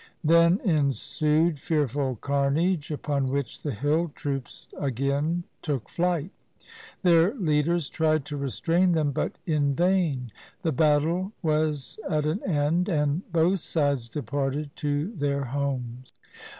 Then ensued fearful carnage, upon which the hill troops again took to flight. Their leaders tried to restrain them, but in vain. The battle was at an end, and both sides departed to their homes.